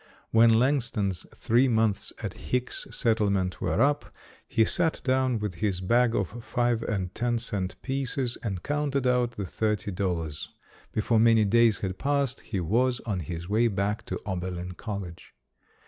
When Langston's three months at Hicks Set tlement were up, he sat down with his bag of five and ten cent pieces and counted out the thirty dollars. Before many days had passed, he was on his way back to Oberlin College.